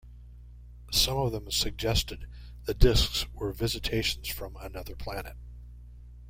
Some of them suggested the discs were visitations from another planet.